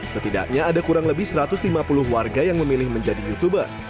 setidaknya ada kurang lebih satu ratus lima puluh warga yang memilih menjadi youtuber